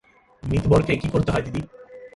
মিতবরকে কী করতে হয় দিদি?